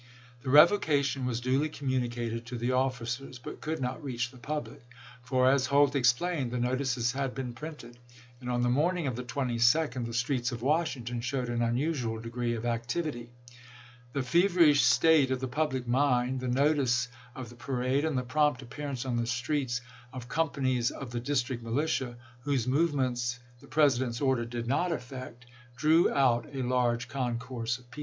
The revocation was duly communicated to the officers, but could not reach the public, for, as Holt explaioed, the notices had been printed; and on i86i. the morning of the 22d the streets of Washington showed an unusual degree of activity. The fever ish state of the public mind, the notice of the pa rade, and the prompt appearance on the streets of companies of the District militia, whose movements the President's order did not affect, drew out a large concourse of people.